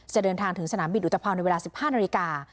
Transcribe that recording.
เดินทางถึงสนามบินอุตภัณในเวลา๑๕นาฬิกา